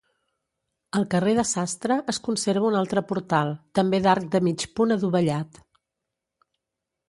Al carrer de Sastre es conserva un altre portal, també d'arc de mig punt adovellat.